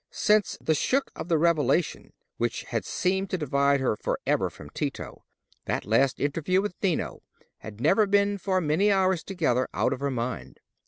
Since the shock of the revelation which had seemed to divide her for ever from Tito, that last interview with Dino had never been for many hours together out of her mind.